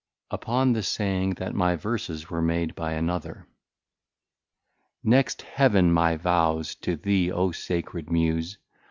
Upon the saying that my VERSES were made by another. Next Heaven my Vows to thee (O Sacred Muse!)